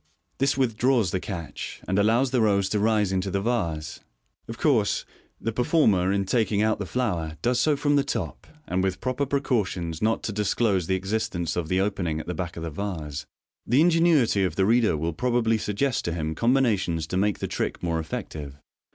This withdraws the catch, and allows the rose to rise into the vase. Of course, the performer in taking out the flower does so from the top, and with proper precautions not to disclose the existence of the. opening at the back of the vase. The ingenuity of the reader will probably suggest to him com binations to make the trick more effective.